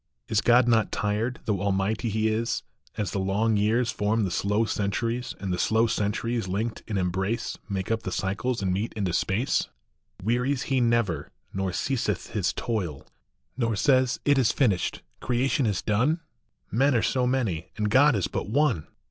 Is God not tired, though almighty He is, As the long years form the slow centuries, And the slow centuries linked in embrace Make up the cycles and meet into space ? 220 A THOUGHT. Wearies He never, nor ceaseth His toil, Nor says, " It is finished ; creation is done "? Men are so many, and God is but one